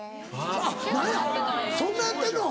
あっ何やそんなやってんの？